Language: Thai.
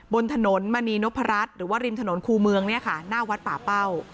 บนถนนมณีนพรัชหรือว่าริมถนนคู่เมืองเนี่ยค่ะหน้าวัดป่าเป้า